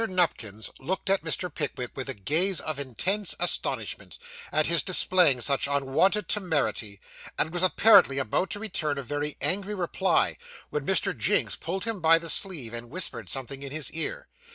Nupkins looked at Mr. Pickwick with a gaze of intense astonishment, at his displaying such unwonted temerity; and was apparently about to return a very angry reply, when Mr. Jinks pulled him by the sleeve, and whispered something in his ear.